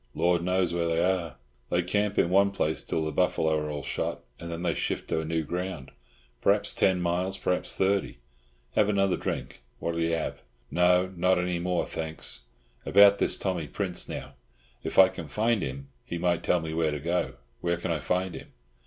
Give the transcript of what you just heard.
Lord knows where they are. They camp in one place till the buffalo are all shot, and then they shift to new ground. Perhaps ten miles, perhaps thirty. Have another drink? What'll you have?" "No, not any more, thanks. About this Tommy Prince, now; if I can find him he might tell me where to go. Where can I find him?"